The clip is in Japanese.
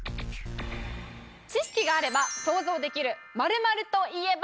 知識があれば想像できる「○○といえば」